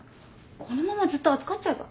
このままずっと預かっちゃえば？